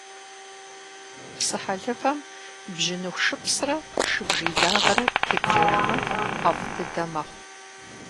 Псыхьэлывэм бжьыныху шыпсрэ шыбжий дагъэрэ тепкӏэжмэ, ӏэфӏ дыдэ мэхъу.